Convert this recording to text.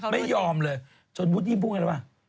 ไม่ยอมเลยจนบุฏนี้พูดแล้วนะว่า